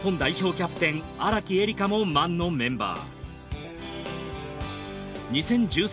キャプテン荒木絵里香もＭＡＮのメンバー。